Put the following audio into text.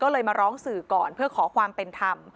ก็เลยมาร้องสื่อก่อนเพื่อขอความเป็นธรรม